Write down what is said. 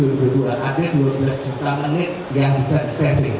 ada dua belas juta menit yang bisa disaving